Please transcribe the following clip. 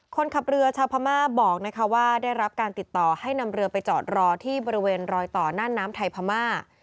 คนขับเรือชาวพม่าบอกว่าได้รับการติดต่อให้นำเรือไปจอดรอที่บริเวณรอยต่อหน้าน้ำไทยพม่า